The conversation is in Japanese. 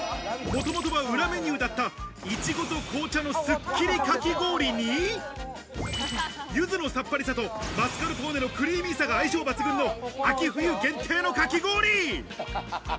もともとは裏メニューだったいちごと紅茶のすっきりかき氷に、ゆずのさっぱりさと、マスカルポーネのクリーミーさが相性抜群の秋冬限定のかき氷。